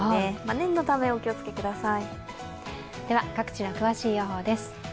念のためお気を付けください。